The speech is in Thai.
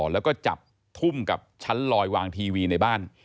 แล้วก็จับทุ่มกับชั้นลอยวางทีวีในบ้าน